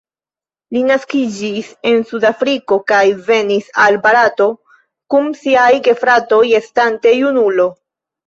Li naskiĝis en Sudafriko kaj venis al Barato kun siaj gepatroj estante junulo.